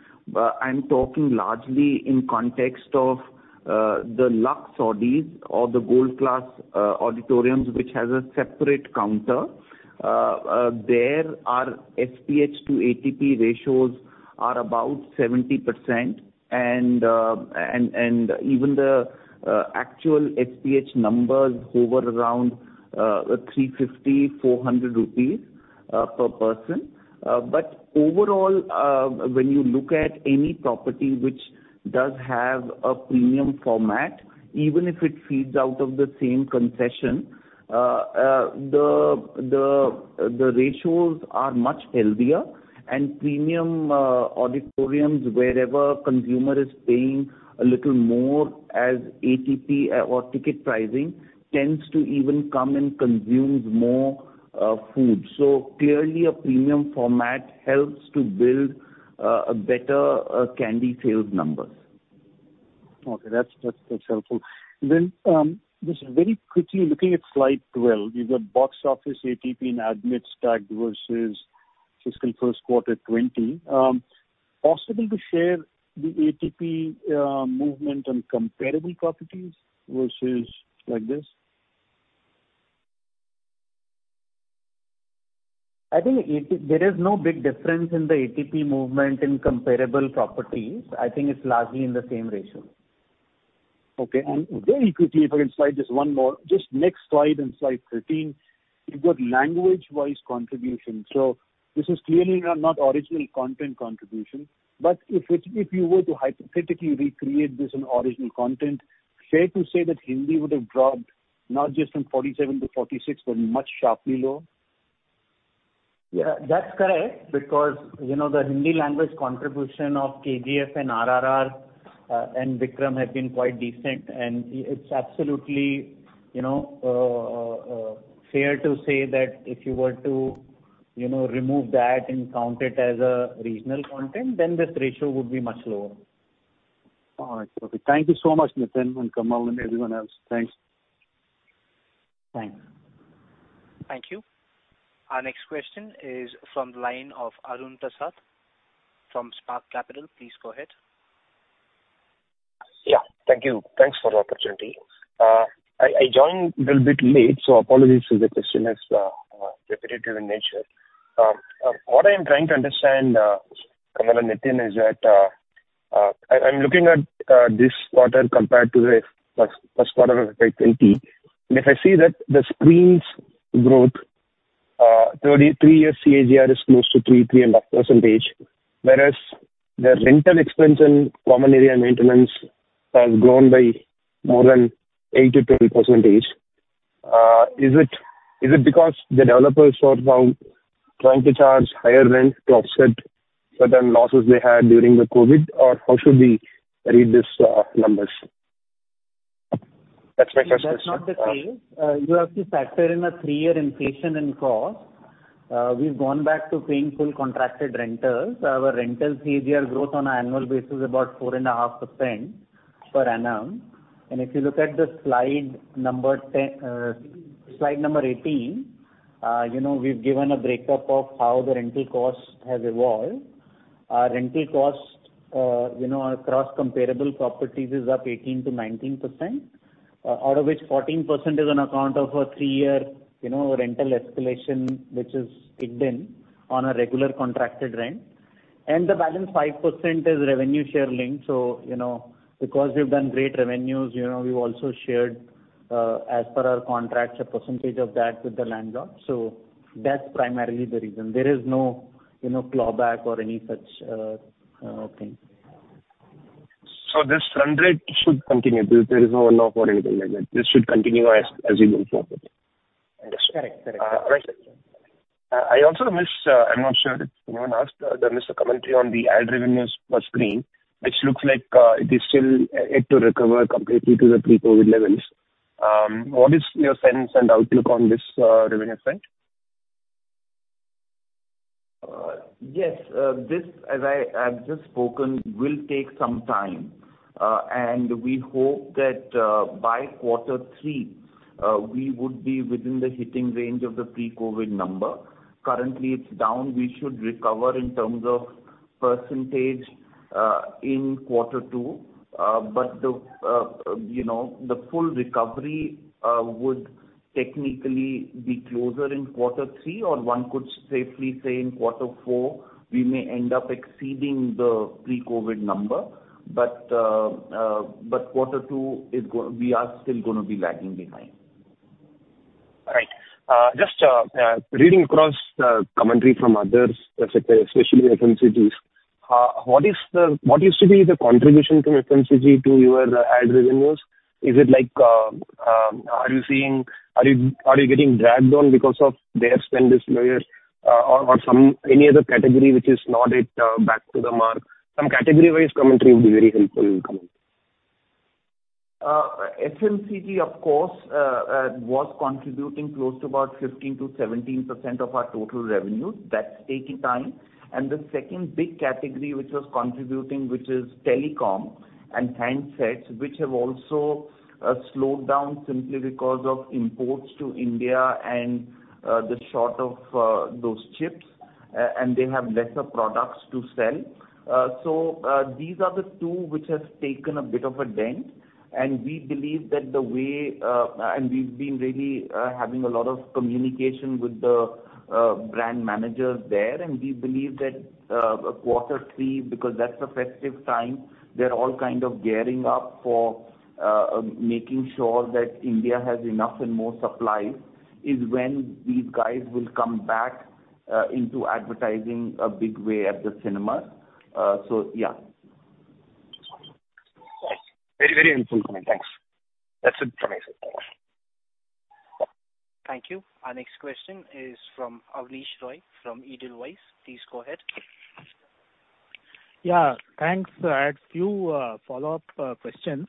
I'm talking largely in context of the Luxe auditoriums or the Gold Class auditoriums, which has a separate counter. There our FPH to ATP ratios are about 70%. Even the actual FPH numbers hover around 350-400 rupees per person. Overall, when you look at any property which does have a premium format, even if it feeds out of the same concession, the ratios are much healthier. Premium auditoriums, wherever consumer is paying a little more as ATP or ticket pricing tends to even come and consume more food. Clearly a premium format helps to build a better candy sales numbers. Okay, that's helpful. Just very quickly looking at Slide 12, you've got box office ATP and admissions tagged versus fiscal first quarter 2020. Possible to share the ATP movement on comparable properties versus like this? I think ATP. There is no big difference in the ATP movement in comparable properties. I think it's largely in the same ratio. Okay. Very quickly, if I can slide just one more. Just next slide in slide thirteen, you've got language-wise contribution. This is clearly not original content contribution. But if you were to hypothetically recreate this in original content, fair to say that Hindi would have dropped not just from 47% to 46%, but much sharply lower? Yeah, that's correct. Because, you know, the Hindi language contribution of KGF and RRR and Vikram have been quite decent. It's absolutely, you know, fair to say that if you were to, you know, remove that and count it as a regional content, then this ratio would be much lower. All right. Okay. Thank you so much, Nitin and Kamal and everyone else. Thanks. Thanks. Thank you. Our next question is from the line of Arjun Prasad from Spark Capital. Please go ahead. Yeah. Thank you. Thanks for the opportunity. I joined a little bit late, so apologies if the question is repetitive in nature. What I am trying to understand, Kamal Gianchandani and Nitin Sood, is that I am looking at this quarter compared to the first quarter of FY 2020. If I see that the screens growth 3-year CAGR is close to 3%-3.5%, whereas the rental expense and common area maintenance has grown by more than 8%-10%. Is it because the developers sort of now trying to charge higher rent to offset certain losses they had during the COVID? Or how should we read these numbers? That's not the case. You have to factor in a three-year inflation in cost. We've gone back to paying full contracted rentals. Our rentals year growth on an annual basis is about 4.5% per annum. If you look at the slide number 10, slide number 18, you know, we've given a breakup of how the rental cost has evolved. Our rental cost, you know, across comparable properties is up 18%-19%, out of which 14% is on account of a three-year, you know, rental escalation, which is kicked in on a regular contracted rent. The balance 5% is revenue share link. You know, because we've done great revenues, you know, we've also shared, as per our contracts, a percentage of that with the landlord. That's primarily the reason. There is no, you know, clawback or any such thing. This run rate should continue. There is no law or anything like that. This should continue as you move forward. That's correct. Correct. I also missed, I'm not sure if anyone asked, I missed the commentary on the ad revenues per screen, which looks like it is still expected to recover completely to the pre-COVID levels. What is your sense and outlook on this revenue front? Yes, this, as I have just spoken, will take some time, and we hope that, by quarter three, we would be within the hitting range of the pre-COVID number. Currently, it's down. We should recover in terms of percentage, in quarter two. The, you know, the full recovery would technically be closer in quarter three, or one could safely say in quarter four, we may end up exceeding the pre-COVID number. quarter two, we are still gonna be lagging behind. All right. Just reading across commentary from others, especially FMCGs, what used to be the contribution from FMCG to your ad revenues? Is it like, are you getting dragged on because their spend is lower, or any other category which is not yet back to the mark? Some category-wise commentary would be very helpful in coming. FMCG, of course, was contributing close to about 15%-17% of our total revenues. That's taking time. The second big category which was contributing, which is telecom and handsets, which have also slowed down simply because of imports to India and the shortage of those chips and they have lesser products to sell. These are the two which has taken a bit of a dent, and we believe that and we've been really having a lot of communication with the brand managers there. We believe that quarter three, because that's the festive time, they're all kind of gearing up for making sure that India has enough and more supply, is when these guys will come back into advertising in a big way at the cinema. Yeah. Very, very helpful comment. Thanks. That's it from my side. Thank you. Our next question is from Abneesh Roy from Edelweiss. Please go ahead. Yeah, thanks. I had few follow-up questions.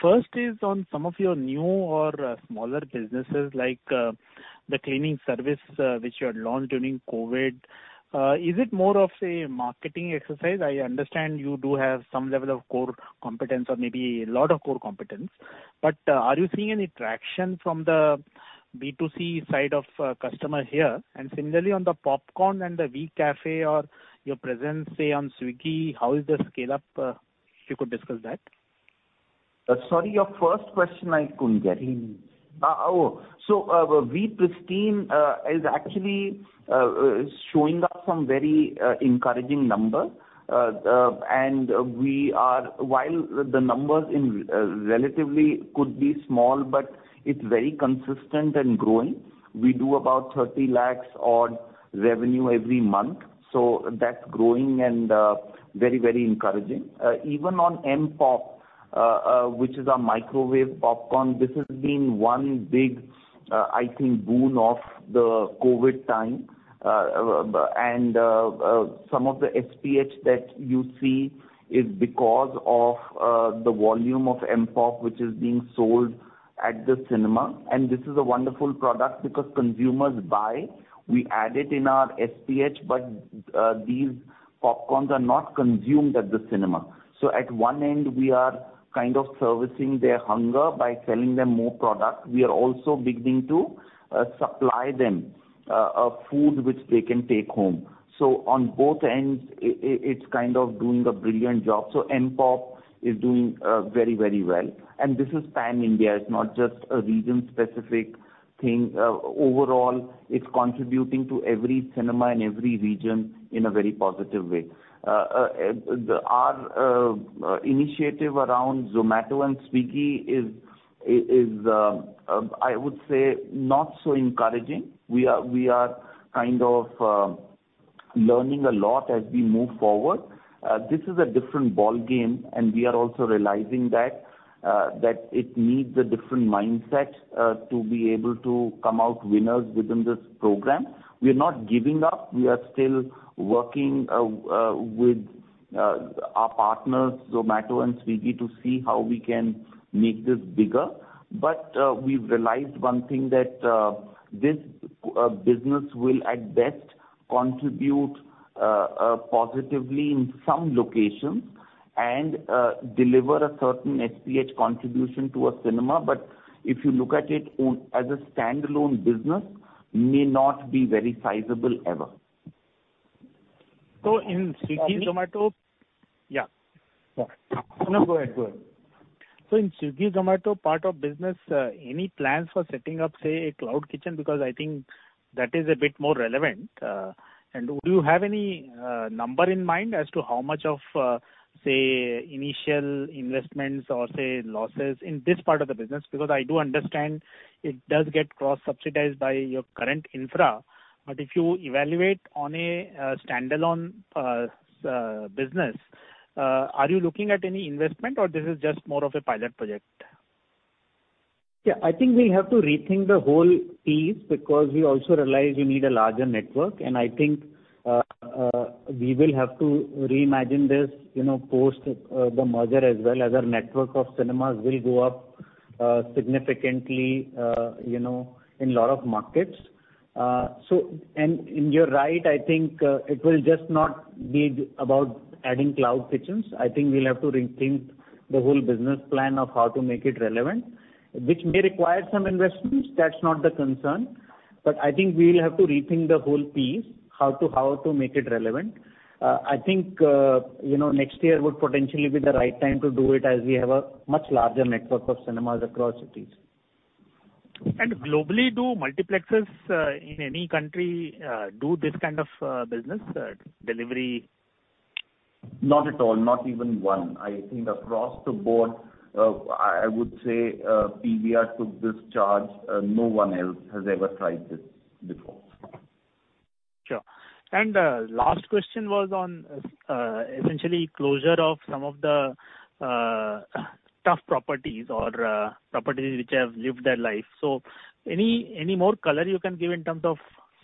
First is on some of your new or smaller businesses like the cleaning service which you had launched during COVID. Is it more of a marketing exercise? I understand you do have some level of core competence or maybe a lot of core competence. But are you seeing any traction from the B2C side of customer here? And similarly, on the popcorn and the WeCafe or your presence, say, on Swiggy, how is the scale-up? If you could discuss that. Sorry, your first question I couldn't get it. Mm-hmm. V-Pristine is actually showing us some very encouraging number. While the numbers in relatively could be small, but it's very consistent and growing. We do about 30 lakhs odd revenue every month, so that's growing and very, very encouraging. Even on PVR PopMagic, which is our microwave popcorn, this has been one big, I think boon of the COVID time. Some of the SPH that you see is because of the volume of PVR PopMagic which is being sold at the cinema. This is a wonderful product because consumers buy. We add it in our SPH, but these popcorns are not consumed at the cinema. At one end, we are kind of servicing their hunger by selling them more product. We are also beginning to supply them a food which they can take home. On both ends, it's kind of doing a brilliant job. PopMagic is doing very well. This is pan-India. It's not just a region-specific thing. Overall, it's contributing to every cinema in every region in a very positive way. Our initiative around Zomato and Swiggy is I would say not so encouraging. We are kind of learning a lot as we move forward. This is a different ballgame, and we are also realizing that it needs a different mindset to be able to come out winners within this program. We're not giving up. We are still working with Our partners, Zomato and Swiggy, to see how we can make this bigger. We've realized one thing that this business will at best contribute positively in some locations and deliver a certain SPH contribution to a cinema. If you look at it as a standalone business, may not be very sizable ever. In Swiggy, Zomato. Um- Yeah. Yeah. No. Go ahead. In Swiggy, Zomato part of business, any plans for setting up, say, a cloud kitchen? Because I think that is a bit more relevant. Do you have any number in mind as to how much of, say, initial investments or, say, losses in this part of the business? Because I do understand it does get cross-subsidized by your current infra. If you evaluate on a standalone business, are you looking at any investment or this is just more of a pilot project? Yeah, I think we have to rethink the whole piece because we also realize we need a larger network. I think we will have to reimagine this, you know, post the merger as well as our network of cinemas will go up significantly, you know, in a lot of markets. You're right, I think it will just not be about adding cloud kitchens. I think we'll have to rethink the whole business plan of how to make it relevant, which may require some investments. That's not the concern. I think we'll have to rethink the whole piece, how to make it relevant. I think, you know, next year would potentially be the right time to do it as we have a much larger network of cinemas across cities. Globally, do multiplexes in any country do this kind of business delivery? Not at all. Not even one. I think across the board, I would say, PVR took this charge. No one else has ever tried this before. Sure. Last question was on essentially closure of some of the tough properties or properties which have lived their life. Any more color you can give in terms of,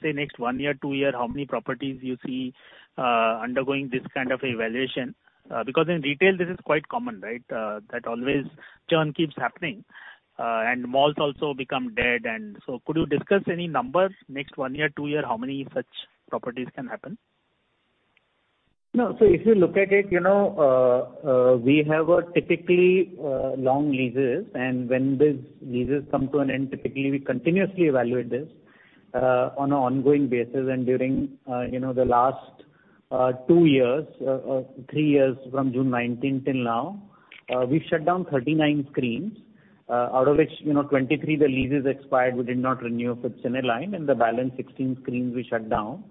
say, next 1 year, 2 year, how many properties you see undergoing this kind of evaluation? Because in retail this is quite common, right? That always churn keeps happening, and malls also become dead. Could you discuss any numbers? Next 1 year, 2 year, how many such properties can happen? No. If you look at it, you know, we have typically long leases, and when these leases come to an end, typically we continuously evaluate this on an ongoing basis. During, you know, the last two years, three years from June 2019 till now, we've shut down 39 screens, out of which, you know, 23 the leases expired, we did not renew for Cineline, and the balance 16 screens we shut down.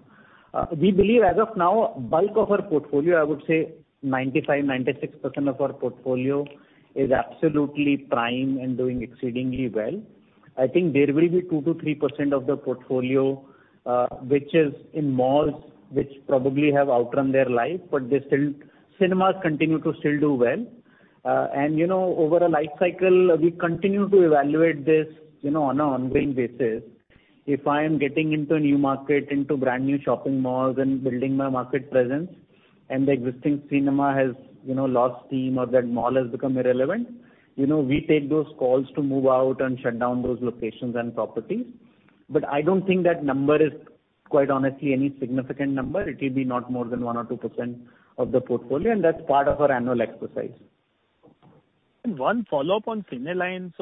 We believe as of now, bulk of our portfolio, I would say 95-96% of our portfolio is absolutely prime and doing exceedingly well. I think there will be 2-3% of the portfolio, which is in malls, which probably have outrun their life, but they still cinemas continue to still do well. you know, over a life cycle, we continue to evaluate this, you know, on an ongoing basis. If I am getting into a new market, into brand-new shopping malls and building my market presence and the existing cinema has, you know, lost steam or that mall has become irrelevant, you know, we take those calls to move out and shut down those locations and properties. I don't think that number is, quite honestly, any significant number. It will be not more than 1% or 2% of the portfolio, and that's part of our annual exercise. One follow-up on Cineline.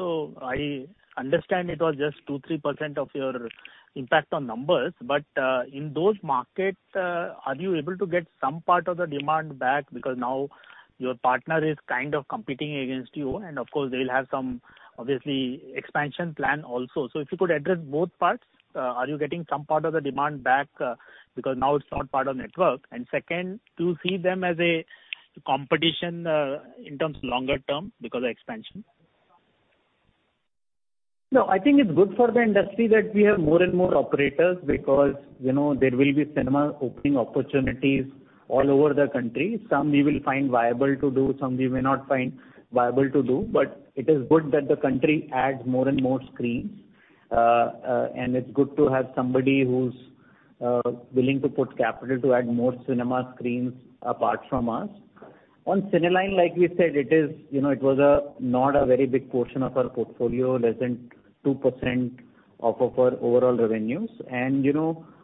I understand it was just 2-3% of your impact on numbers. In those markets, are you able to get some part of the demand back because now your partner is kind of competing against you and of course they'll have some, obviously, expansion plan also. If you could address both parts. Are you getting some part of the demand back, because now it's not part of network? Second, do you see them as a competition, in terms of longer term because of expansion? No, I think it's good for the industry that we have more and more operators because, you know, there will be cinema opening opportunities all over the country. Some we will find viable to do, some we may not find viable to do. It is good that the country adds more and more screens. It's good to have somebody who's willing to put capital to add more cinema screens apart from us. On Cineline, like we said, you know, it was not a very big portion of our portfolio, less than 2% of our overall revenues.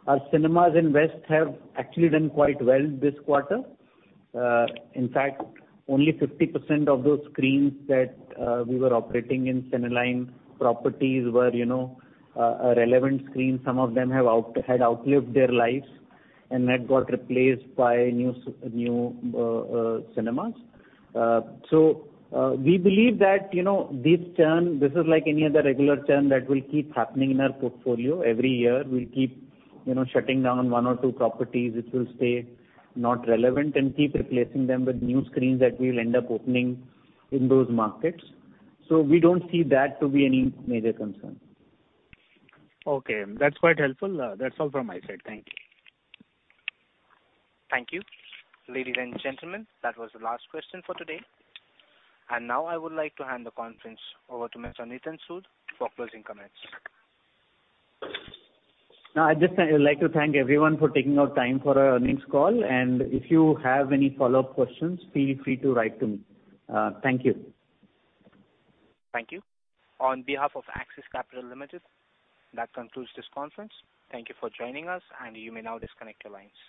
Our cinemas in West have actually done quite well this quarter. In fact, only 50% of those screens that we were operating in Cineline properties were, you know, a relevant screen. Some of them have outlived their lives and that got replaced by new cinemas. We believe that, you know, this churn, this is like any other regular churn that will keep happening in our portfolio. Every year we'll keep, you know, shutting down one or two properties which will stay not relevant and keep replacing them with new screens that we'll end up opening in those markets. We don't see that to be any major concern. Okay. That's quite helpful. That's all from my side. Thank you. Thank you. Ladies and gentlemen, that was the last question for today. Now I would like to hand the conference over to Mr. Nitin Sood for closing comments. No, I'd just like to thank everyone for taking out time for our earnings call. If you have any follow-up questions, feel free to write to me. Thank you. Thank you. On behalf of Axis Capital Limited, that concludes this conference. Thank you for joining us, and you may now disconnect your lines.